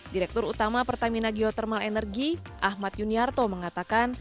direktur utama pertamina geotermal energi ahmad yuniarto mengatakan